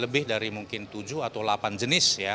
lebih dari mungkin tujuh atau delapan jenis ya